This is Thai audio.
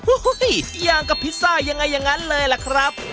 โอ้โหย่างกับพิซซ่ายังไงอย่างนั้นเลยล่ะครับ